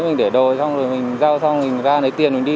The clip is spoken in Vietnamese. mình để đồi xong rồi mình giao xong mình ra lấy tiền mình đi